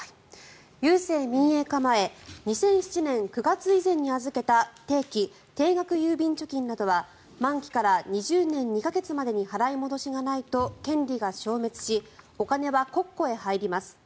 郵政民営化前２００７年９月以前に預けた定期・定額郵便貯金などは満期から２０年２か月までに払い戻しがないと権利が消滅しお金は国庫へ入ります。